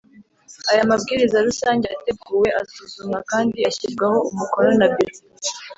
Aya mabwiriza rusange yateguwe asuzumwa kandi ashyirwaho umukono na Biro